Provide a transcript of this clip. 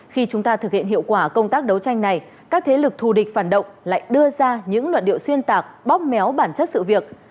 khi chúng ta thực hiện hiệu quả công tác đấu tranh này các thế lực thù địch phản động lại đưa ra những luận điệu xuyên tạc bóp méo bản chất sự việc